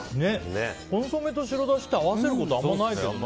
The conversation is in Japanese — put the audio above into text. コンソメと白だしを合わせることあまりないですよね。